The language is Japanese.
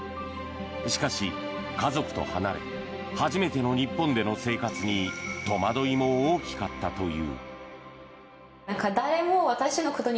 しかし、家族と離れ初めての日本での生活に戸惑いも大きかったという。